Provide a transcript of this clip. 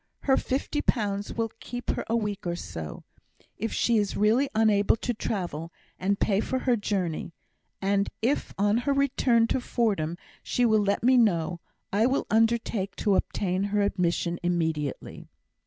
Her fifty pounds will keep her for a week or so, if she is really unable to travel, and pay for her journey; and if on her return to Fordham she will let me know, I will undertake to obtain her admission immediately."